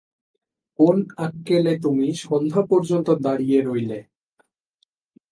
কোন আক্কেলে তুমি সন্ধ্যা পর্যন্ত দাঁড়িয়ে রইলে!